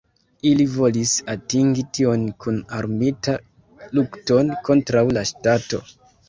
Ili volis atingi tion kun armita lukton kontraŭ la ŝtato.